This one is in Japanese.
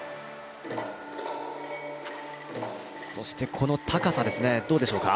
この高さですね、どうでしょうか。